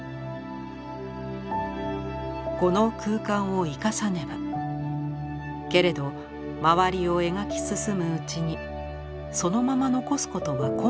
「この空間を生かさねばけれどまわりを描き進むうちにそのまま残すことは困難となりました。